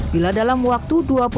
bila dalam waktu